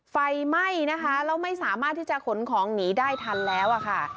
ไฟไหม่เราไม่สามารถที่จะขนของหนีได้ทันแล้ว